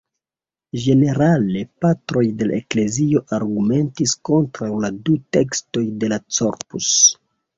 Ĝenerale Patroj de la Eklezio argumentis kontraŭ la du tekstoj de la Corpus.